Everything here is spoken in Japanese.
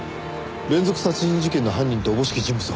連続殺人事件の犯人とおぼしき人物を発見しました。